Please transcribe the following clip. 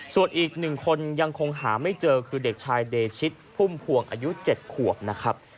ส่วนอีก๑คนยังคงหาไม่เจอคือเด็กชายเดชิตพุ่มพวงอายุ๗ขวบนะครับ